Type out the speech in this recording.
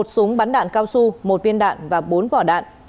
một súng bắn đạn cao su một viên đạn và bốn vỏ đạn